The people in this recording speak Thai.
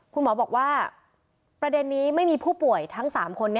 คุณหมอบอกว่าประเด็นนี้ไม่มีผู้ป่วยทั้ง๓คน